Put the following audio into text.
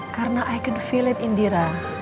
karena i can feel it indira